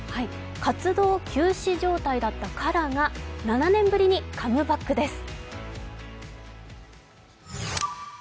活動休止状態だったＫＡＲＡが７年ぶりにカムバックです。